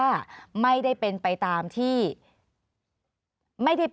อันดับสุดท้ายแก่มือ